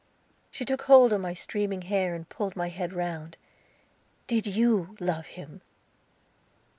She took hold of my streaming hair and pulled my head round. "Did you love him?"